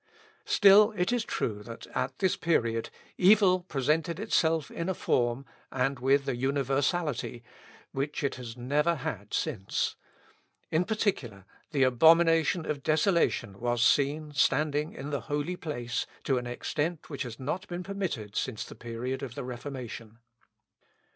Still it is true, that, at this period, evil presented itself in a form, and with a universality, which it has never had since. In particular, the abomination of desolation was seen standing in the holy place, to an extent which has not been permitted since the period of the Reformation.